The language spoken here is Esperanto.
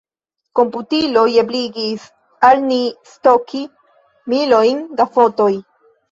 Komputiloj ebligis al ni stoki milojn da fotoj.